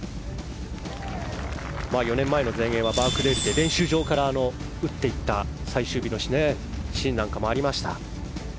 ４年前の全英はバークデールで練習場から打っていった最終日のシーンもありました。